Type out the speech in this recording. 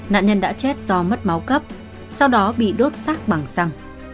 nạn nhân đã chết do mất máu cấp sau đó bị đốt xác bằng xăng